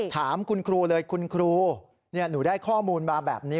ถามคุณครูเลยคุณครูหนูได้ข้อมูลมาแบบนี้